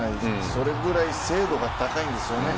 それぐらい精度が高いんですよね。